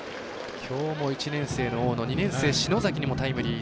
きょうも１年生の大野２年生の篠崎にもタイムリー。